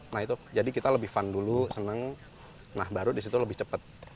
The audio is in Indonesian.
nah itu jadi kita lebih fun dulu seneng nah baru disitu lebih cepat